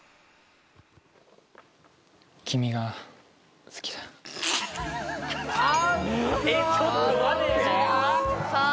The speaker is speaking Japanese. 君が好きださあ